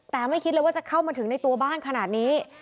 แต่ไม่คิดเลยว่าจะเข้ามาถึงในตัวบ้านขนาดนี้